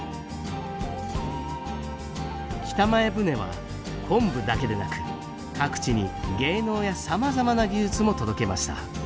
北前船は昆布だけでなく各地に芸能やさまざまな技術も届けました。